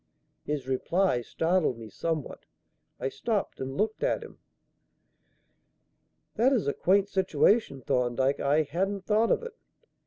His reply startled me somewhat. I stopped and looked at him. "That is a quaint situation, Thorndyke. I hadn't thought of it.